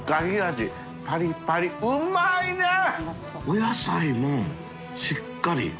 お野菜もしっかり。